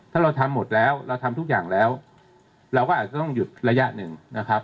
ถ้าเราทำหมดแล้วเราทำทุกอย่างแล้วเราก็อาจจะต้องหยุดระยะหนึ่งนะครับ